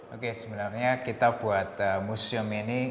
oke sebenarnya kita buat museum ini